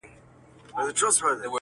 پلار کار ته ځي خو زړه يې نه وي هلته